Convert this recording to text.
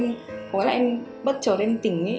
có nghĩa là em bất chợt em tỉnh ấy